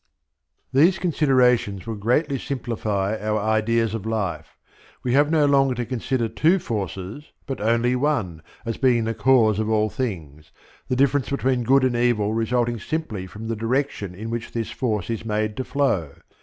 These considerations will greatly simplify our ideas of life. We have no longer to consider two forces, but only one, as being the cause of all things; the difference between good and evil resulting simply from the direction in which this force is made to flow.